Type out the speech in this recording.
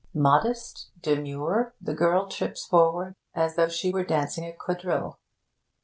Modest, demure, the girl trips forward as though she were dancing a quadrille.